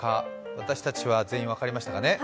私たちは全員分かりましたかね。